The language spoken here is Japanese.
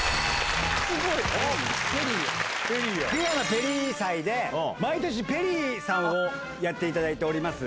ペリー祭で毎年ペリーさんをやっていただいております。